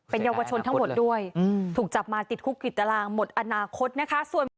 เยาวชนทั้งหมดด้วยถูกจับมาติดคุกติดตารางหมดอนาคตนะคะ